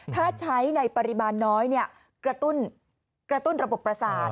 ถ้าใช้ในปริมาณน้อยกระตุ้นระบบประสาท